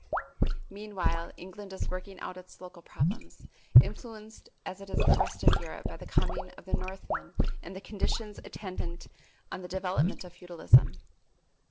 Meanwhile England is working out its local problems, influenced as is the rest of Europe by the coming of the Northmen and the conditions attendant on the development of feudalism.